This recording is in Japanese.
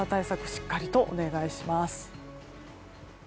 しっかりとお願いします。